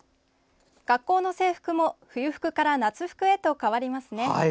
学校の制服も冬服から夏服へと替わりますね。